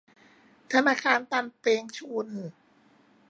ธนาคารตันเปงชุน